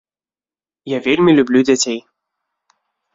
Я вельмі люблю дзяцей.